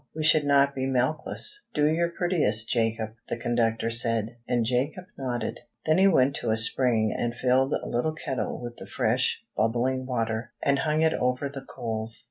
We should not be milkless. "Do your prettiest, Jacob," the conductor said, and Jacob nodded. Then he went to a spring and filled a little kettle with the fresh, bubbling water, and hung it over the coals.